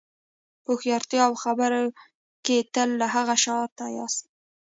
په هوښیارتیا او خبرو کې تل له هغه شاته یاست.